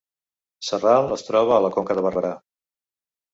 Sarral es troba a la Conca de Barberà